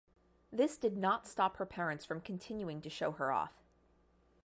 This did not stop her parents from continuing to show her off.